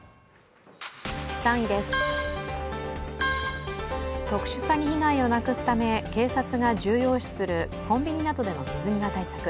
３位です、特殊詐欺被害をなくすため、警察が重要視するコンビニなどでの水際対策。